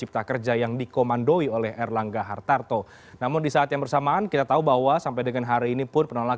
tadi ke nasdem ya bang doli